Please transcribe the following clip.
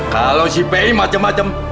kalau si pei macem macem